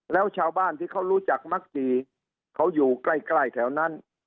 แล้วชาวบ้านที่เขารู้จักมักจีเขาอยู่ใกล้แถวนั้น